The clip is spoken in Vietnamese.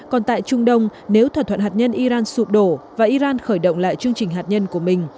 còn tại trung đông nếu thỏa thuận hạt nhân iran sụp đổ và iran khởi động lại chương trình hạt nhân của mình